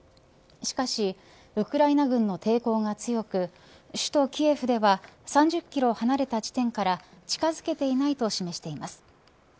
しかし、ウクライナ軍の抵抗が強く首都キエフでは３０キロ離れた地点から近づけていないと示しています。